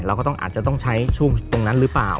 เราก็อาจต้องใช้ช่วงตรงนั้นหรือป่าว